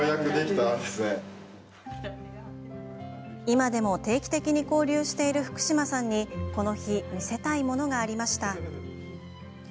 今でも定期的に交流している福島さんにこの日、見せたいものがありました。